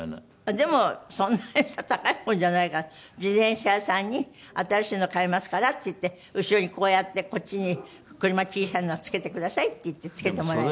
でもそんなにさ高いものじゃないから自転車屋さんに「新しいの買いますから」って言って「後ろにこうやってこっちに車小さいの付けてください」って言って付けてもらえば。